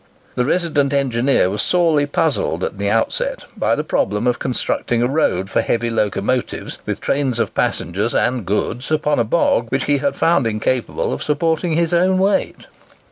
The resident engineer was sorely puzzled in the outset by the problem of constructing a road for heavy locomotives, with trains of passengers and goods, upon a bog which he had found incapable of supporting his own weight!